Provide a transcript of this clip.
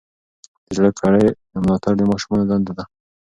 د زده کړې ملاتړ د ماشومانو دنده ده.